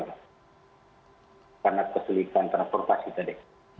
karena kesulitan transportasi tadi